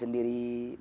mencari diri sendiri